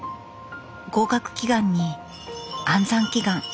合格祈願に安産祈願。